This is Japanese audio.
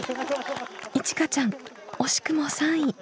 いちかちゃん惜しくも３位。